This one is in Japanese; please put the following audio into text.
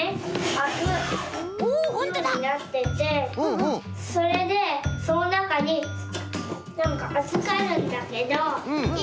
あくようになっててそれでそのなかになんかあずかるんだけどい